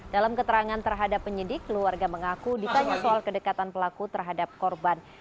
dalam keterangan terhadap penyidik keluarga mengaku ditanya soal kedekatan pelaku terhadap korban